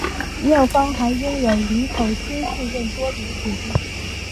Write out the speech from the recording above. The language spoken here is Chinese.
庙方还拥有林口新市镇多笔土地。